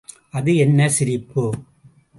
அது என்ன சிரிப்பு?